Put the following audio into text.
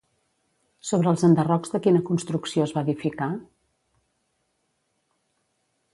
Sobre els enderrocs de quina construcció es va edificar?